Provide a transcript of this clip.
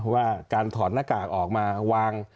ว่าการถอดหน้ากากออกมาวาง